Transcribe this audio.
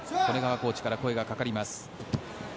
コーチから声がかかります。